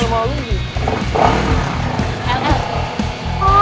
ah nyebelin banget ah